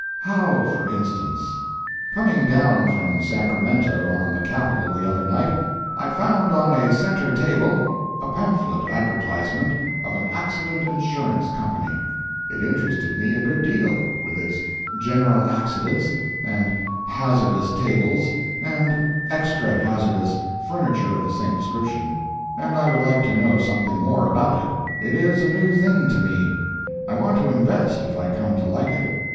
HOW FOR INSTANCE? Coming down from Sacramento on the Capital the other night, I found on a centre table a pamphlet advertisement of an Accident Insurance Company. It interested me a good deal, with its General Accidents, and Hazardous Tables, and Extra Hazardous furniture of the same description, and I would like to know something more about it. It is a new thing to me. I want to invest if I come to like it.